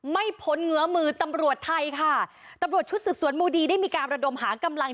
พ้นเงื้อมือตำรวจไทยค่ะตำรวจชุดสืบสวนมูดีได้มีการระดมหากำลัง